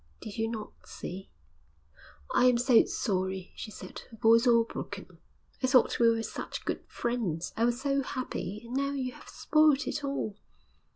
'Did you not see?' 'I am so sorry,' she said, her voice all broken. 'I thought we were such good friends. I was so happy. And now you have spoilt it all.'